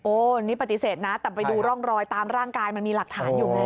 อันนี้ปฏิเสธนะแต่ไปดูร่องรอยตามร่างกายมันมีหลักฐานอยู่ไง